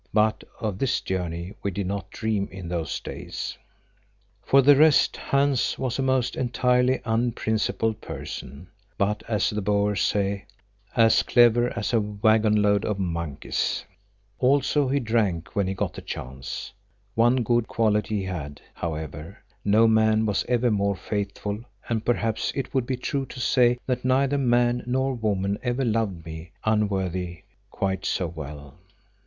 But of this journey we did not dream in those days. See the book called "Marie."—Editor. For the rest Hans was a most entirely unprincipled person, but as the Boers say, "as clever as a waggonload of monkeys." Also he drank when he got the chance. One good quality he had, however; no man was ever more faithful, and perhaps it would be true to say that neither man nor woman ever loved me, unworthy, quite so well.